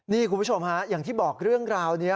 นี่คุณผู้ชมฮะอย่างที่บอกเรื่องราวนี้